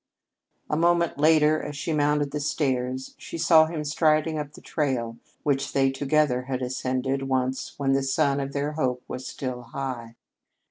A moment later, as she mounted the stairs, she saw him striding up the trail which they, together, had ascended once when the sun of their hope was still high.